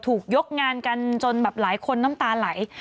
ถูกยกงานกันจนแบบหลายคนน้ำตาไหล